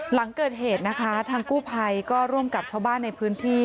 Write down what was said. หลังเกิดเหตุนะคะทางกู้ภัยก็ร่วมกับชาวบ้านในพื้นที่